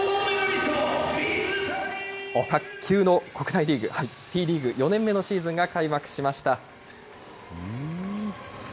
卓球の国際リーグ、Ｔリーグ、４年目のシーズンが開幕しました。